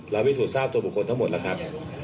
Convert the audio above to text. เราวิสูจน์ทุกคนทั้งหมดละครับ